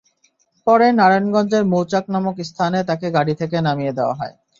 পরে নারায়ণগঞ্জের মৌচাক নামক স্থানে তাঁকে গাড়ি থেকে নামিয়ে দেওয়া হয়।